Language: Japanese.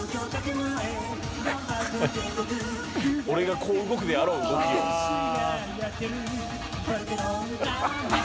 「俺がこう動くであろう動きを」